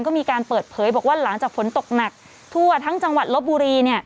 ก็มีการเปิดเผยบอกว่าหลังจากฝนตกหนักทั่วทั้งจังหวัดลบบุรี